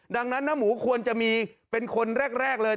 ดังนั้นน้าหมูควรจะมีเป็นคนแรกเลย